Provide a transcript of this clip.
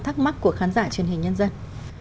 thắc mắc của khán giả truyền hình nhân dân